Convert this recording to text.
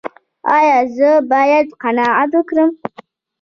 ایا زه باید قناعت وکړم؟